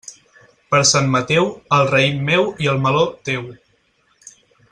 Per Sant Mateu, el raïm meu i el meló, teu.